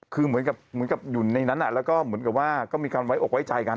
คือเหมือนกับอยู่ในนั้นแล้วก็เหมือนกับว่าก็มีการไว้อกไว้ใจกัน